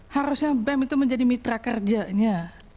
harusnya bem itu menjadi mitra kerjanya